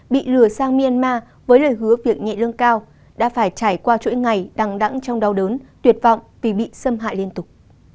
bị lừa sang myanmar với lời hứa việc nhẹ lương cao đã phải trải qua chuỗi ngày đằng đẳng trong đau đớn tuyệt vọng vì bị xâm hại liên tục